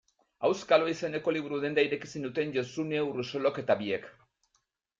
Auskalo izeneko liburu-denda ireki zenuten Josune Urrosolok eta biek.